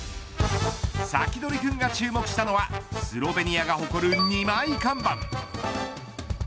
サキドリくんが注目したのはスロベニアが誇る２枚看板。